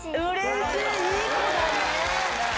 いい子だね！